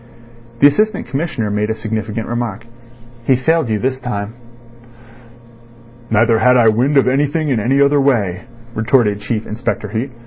The Assistant Commissioner made a significant remark. "He failed you this time." "Neither had I wind of anything in any other way," retorted Chief Inspector Heat.